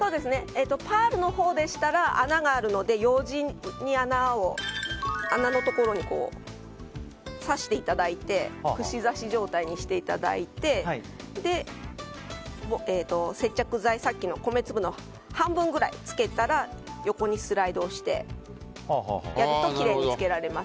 パールのほうでしたら穴があるのでようじに穴のところを刺していただいて串刺し状態にしていただいて接着剤米粒の半分くらいをつけたら横にスライドしてやるときれいにつけられます。